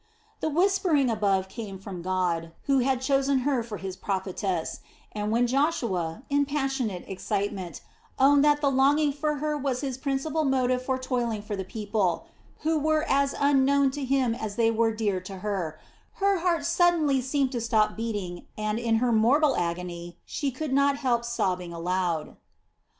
The whispering above came from God, who had chosen her for His prophetess, and when Joshua, in passionate excitement, owned that the longing for her was his principal motive for toiling for the people, who were as unknown to him as they were dear to her, her heart suddenly seemed to stop beating and, in her mortal agony, she could not help sobbing aloud.